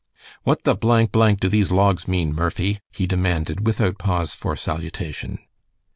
"What the blank, blank, do these logs mean, Murphy?" he demanded, without pause for salutation.